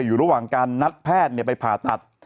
อยู่ระหว่างการนัดแพทย์ไปผ่าตัด